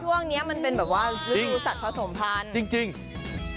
ช่วงเนี้ยมันเป็นแบบว่ารู้สัตว์ผสมพันธ์จริงจริงจริง